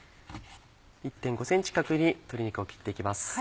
１．５ｃｍ角に鶏肉を切って行きます。